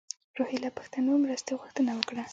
روهیله پښتنو مرستې غوښتنه وکړه.